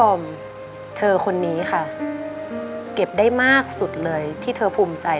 อมเธอคนนี้ค่ะเก็บได้มากสุดเลยที่เธอภูมิใจ